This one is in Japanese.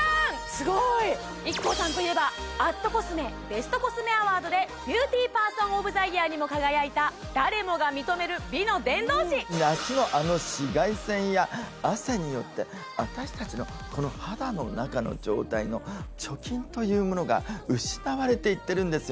スゴいＩＫＫＯさんといえば＠ｃｏｓｍｅベストコスメアワードで「ＢＥＡＵＴＹＰＥＲＳＯＮＯＦＴＨＥＹＥＡＲ」にも輝いた誰もが認める美の伝道師夏のあの紫外線や汗によって私たちのこの肌の中の状態の貯金というものが失われていってるんですよね